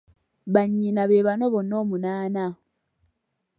Bannyina be bano bonna omunaana.